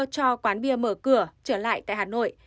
cho quán bia mở cửa trở lại tại hà nội